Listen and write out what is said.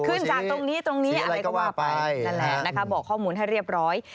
จากตรงนี้ตรงนี้อะไรก็ว่าไปนั่นแหละนะคะบอกข้อมูลให้เรียบร้อย